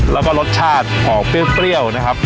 แล้วก็รสชาติออกเปรี้ยวนะครับ